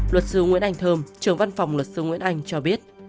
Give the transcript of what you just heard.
luật sư nguyễn anh thơm trưởng văn phòng luật sư nguyễn anh cho biết